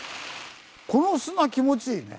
この砂気持ちいいね。